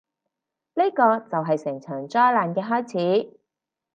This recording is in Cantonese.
呢個就係成場災難嘅開始